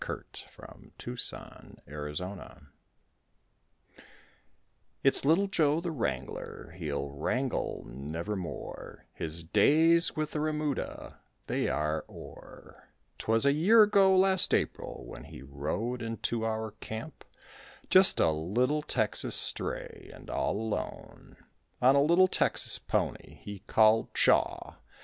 LITTLE JOE, THE WRANGLER It's little Joe, the wrangler, he'll wrangle never more, His days with the remuda they are o'er; 'Twas a year ago last April when he rode into our camp, Just a little Texas stray and all alone, On a little Texas pony he called "Chaw."